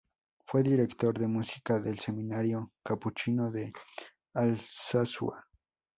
Fue director de música del Seminario Capuchino de Alsasua.